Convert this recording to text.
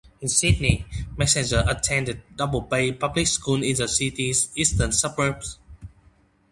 In Sydney, Messenger attended Double Bay Public School in the city's eastern suburbs.